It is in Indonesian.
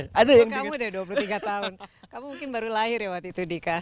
kamu udah dua puluh tiga tahun kamu mungkin baru lahir ya waktu itu dika